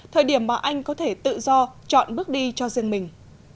thời điểm mà anh có thể tự do chọn bước đi cho riêng mình